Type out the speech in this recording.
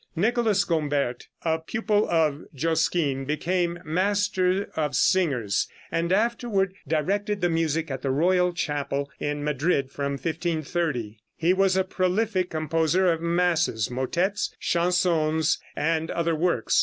Nicholas Gombert, a pupil of Josquin, became master of singers, and afterward directed the music at the royal chapel in Madrid from 1530. He was a prolific composer of masses, motettes, chansons and other works.